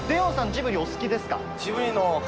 ジブリお好きですか？